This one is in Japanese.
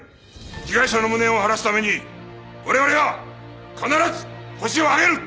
被害者の無念を晴らすために我々は必ずホシを挙げる！